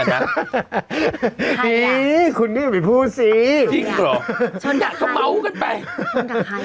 อ่ะนะใครอ่ะคุณนี่มีผู้สีจริงเหรอเขาเม้ากันไปชนกับใครอ่ะ